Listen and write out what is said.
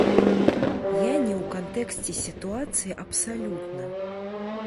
Я не ў кантэксце сітуацыі абсалютна.